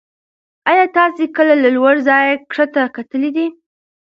ایا تاسې کله له لوړ ځایه کښته کتلي دي؟